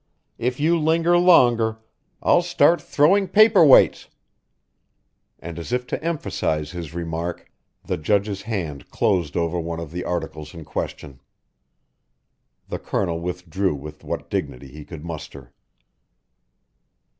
If you linger longer, I'll start throwing paper weights." And as if to emphasize his remark, the Judge's hand closed over one of the articles in question. The Colonel withdrew with what dignity he could muster.